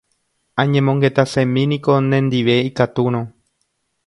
Añemongetasemíniko nendive ikatúrõ